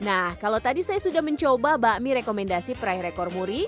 nah kalau tadi saya sudah mencoba bakmi rekomendasi peraih rekor muri